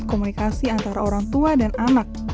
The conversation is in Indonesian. komunikasi antara orang tua dan anak